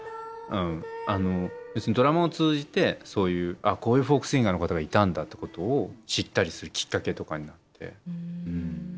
ドラマを通じてそういうこういうフォークシンガーの方がいたんだってことを知ったりするきっかけとかになって。